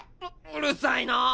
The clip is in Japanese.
ううるさいなぁ！